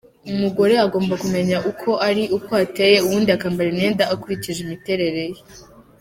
Umugore agomba kumenya uko ari, uko ateye ubundi akambara imyenda akurikije imiterere ye.